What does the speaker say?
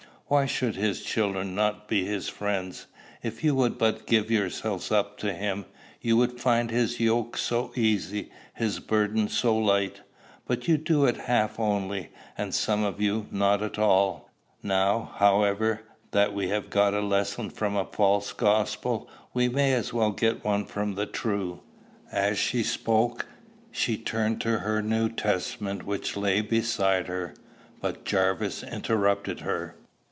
Why should his children not be his friends? If you would but give yourselves up to him, you would find his yoke so easy, his burden so light! But you do it half only, and some of you not at all. "Now, however, that we have got a lesson from a false gospel, we may as well get one from the true." As she spoke, she turned to her New Testament which lay beside her. But Jarvis interrupted her.